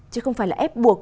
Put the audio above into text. chứ không phải là ép buộc